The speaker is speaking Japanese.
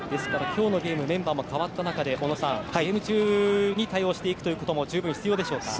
今日のゲームメンバーが変わった中でゲーム中に対応していくことも重要でしょうか。